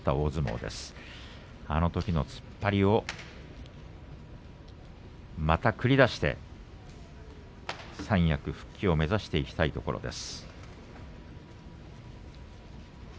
あのときの突っ張りをまた繰り出して三役復帰を目指していきたいところです。